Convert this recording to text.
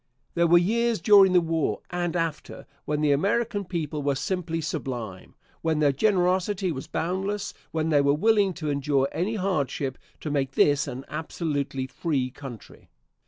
There were years during the war, and after, when the American people were simply sublime; when their generosity was boundless; when they were willing to endure any hardship to make this an absolutely free country.